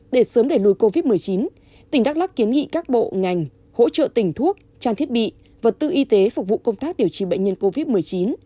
để sớm đẩy lùi covid một mươi chín tỉnh đắk lắc kiến nghị các bộ ngành hỗ trợ tỉnh thuốc trang thiết bị vật tư y tế phục vụ công tác điều trị bệnh nhân covid một mươi chín